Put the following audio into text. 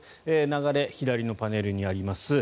流れ、左のパネルにあります。